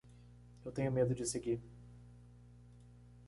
Eu tenho medo de seguir